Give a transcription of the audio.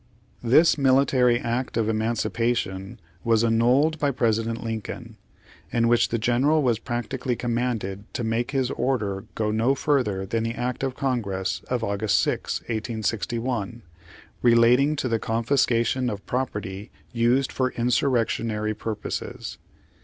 This military act of emancipation was annulled by President Lincoln,' in which the General was practically commanded to make his order go no fiiii; her than the act of Congress of August 6, 1861, relating to the "confiscation of property used for insurrectionary purposes."